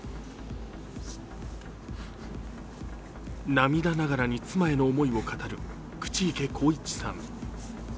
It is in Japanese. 涙ながらに妻への思いを語る口池幸一さん。